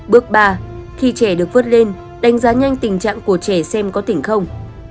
bước ba khi trẻ được vớt lên đánh giá nhanh tình trạng của trẻ xem có tỉnh không